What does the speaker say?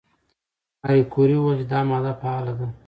ماري کوري وویل چې دا ماده فعاله ده.